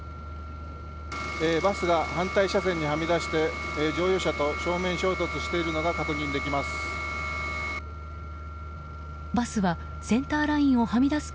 バスが反対車線にはみ出して乗用車と正面衝突しているのが確認できます。